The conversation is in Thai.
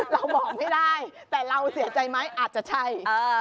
เราบอกไม่ได้แต่เราเสียใจไหมอาจจะใช่